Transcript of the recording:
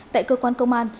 tại cơ quan công an